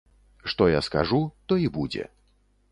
Што я скажу, то і будзе.